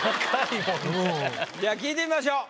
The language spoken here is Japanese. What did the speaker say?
じゃあ聞いてみましょう。